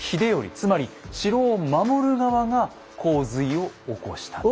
つまり城を守る側が洪水を起こしたと。